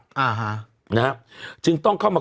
ถ้าถ้าสิ่งต้องเขามา